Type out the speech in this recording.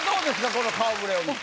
この顔触れを見て。